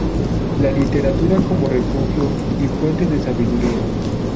La literatura como refugio y fuente de sabiduría.